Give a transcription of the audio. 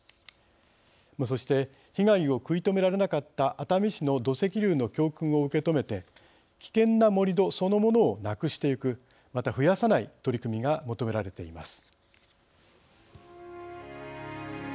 そして被害を食い止められなかった熱海市の土石流の教訓を受け止めて危険な盛り土そのものをなくしていくまた、増やさない取り組みが求められています。